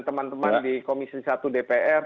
teman teman di komisi satu dpr